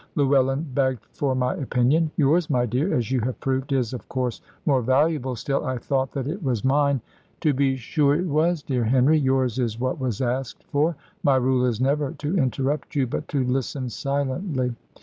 Llewellyn begged for my opinion. Yours, my dear (as you have proved), is of course more valuable: still I thought that it was mine " "To be sure it was, dear Henry. Yours is what was asked for. My rule is never to interrupt you, but to listen silently."